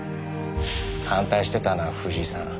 反対してたのは藤井さん。